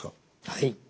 はい。